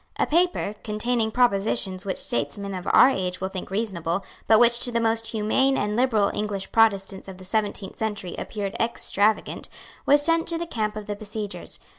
A paper, containing propositions which statesmen of our age will think reasonable, but which to the most humane and liberal English Protestants of the seventeenth century appeared extravagant, was sent to the camp of the besiegers.